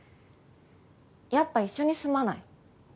やっぱ一緒に住まない？